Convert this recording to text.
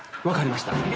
分かりました。